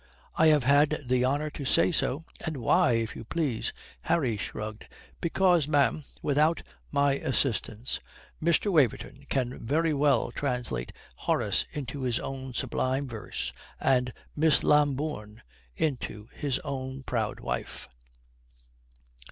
"I have had the honour to say so." "And why, if you please?" Harry shrugged. "Because, ma'am, without my assistance, Mr. Waverton can very well translate Horace into his own sublime verse and Miss Lambourne into his own proud wife."